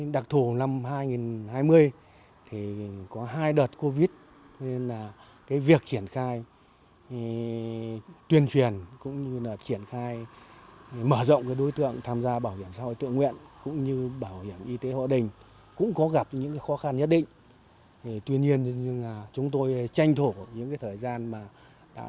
đặc thù của yên bái là tỷ lệ người dân tham gia bảo hiểm y tế hộ gia đình ngày càng cao